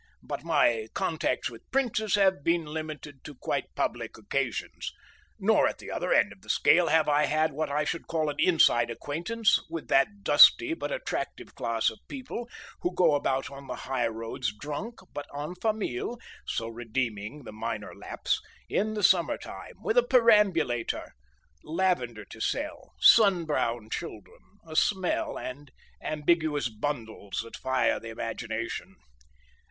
But my contacts with princes have been limited to quite public occasions, nor at the other end of the scale have I had what I should call an inside acquaintance with that dusty but attractive class of people who go about on the high roads drunk but en famille (so redeeming the minor lapse), in the summertime, with a perambulator, lavender to sell, sun brown children, a smell, and ambiguous bundles that fire the imagination.